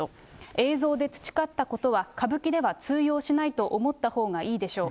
映像で培ったことは歌舞伎では通用しないと思ったほうがいいでしょう。